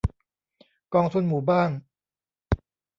กองทุนหมู่บ้าน